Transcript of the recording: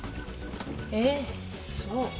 ええそう。